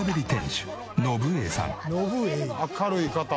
明るい方。